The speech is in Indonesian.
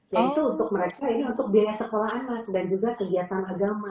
yaitu untuk mereka ini untuk biaya sekolah anak dan juga kegiatan agama